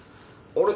あれ？